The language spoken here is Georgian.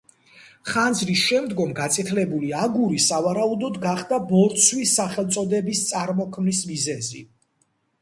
ხანძრის შემდგომ გაწითლებული აგური, სავარაუდოდ, გახდა ბორცვის სახელწოდების წარმოქმნის მიზეზი.